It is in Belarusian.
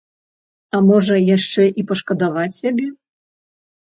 А можа, яшчэ і пашкадаваць сябе?